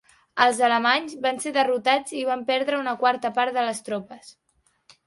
Els alemanys van ser derrotats i van perdre una quarta part de les tropes.